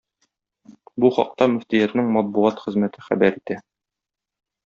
Бу хакта мөфтиятнең матбугат хезмәте хәбәр итә.